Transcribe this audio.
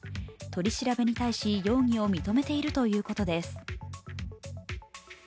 取り調べに対し、容疑を認めているということです。